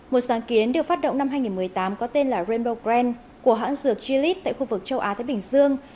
một sáng kiến được phát động năm hai nghìn một mươi tám có tên là rainbow grand của hãng dược glit tại khu vực châu á thái bình dương